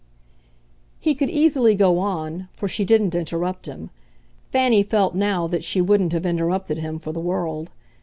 He could easily go on, for she didn't interrupt him; Fanny felt now that she wouldn't have interrupted him for the world.